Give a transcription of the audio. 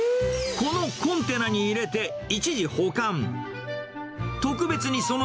このコンテナに入れて、一時保管。